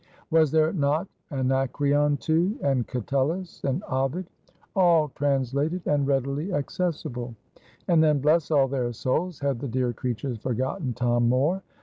Was there not Anacreon too, and Catullus, and Ovid all translated, and readily accessible? And then bless all their souls! had the dear creatures forgotten Tom Moore?